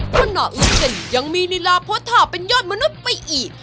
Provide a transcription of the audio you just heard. พนักลุ่มเต็มยังมีนิลาโพธาเป็นยอดมนุษย์ไปอีก